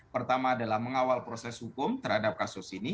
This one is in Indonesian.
pertama adalah mengawal proses hukum terhadap kasus ini